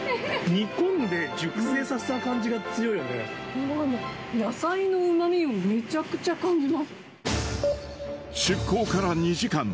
煮込んで熟成させた感じが強もう野菜のうまみをめちゃく出港から２時間。